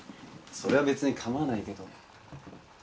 それは別に構わないけど。